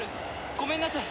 ごめんなさい。